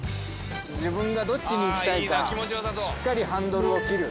自分がどっちに行きたいかしっかりハンドルを切る。